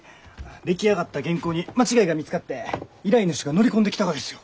出来上がった原稿に間違いが見つかって依頼主が乗り込んできたがですよ。